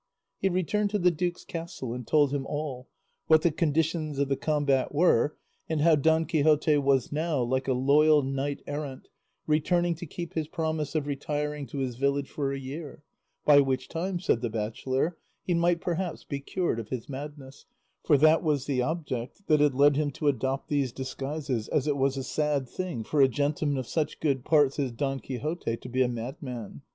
He returned to the duke's castle and told him all, what the conditions of the combat were, and how Don Quixote was now, like a loyal knight errant, returning to keep his promise of retiring to his village for a year, by which time, said the bachelor, he might perhaps be cured of his madness; for that was the object that had led him to adopt these disguises, as it was a sad thing for a gentleman of such good parts as Don Quixote to be a madman.